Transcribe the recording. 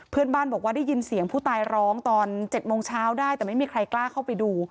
เพื่อนบ้านบอกว่าได้ยินเสียงผู้ตายร้องตอน๗โมงเช้าได้แต่ไม่มีใครกล้าเข้าไปดู